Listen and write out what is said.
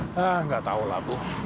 iya engga tahu la bu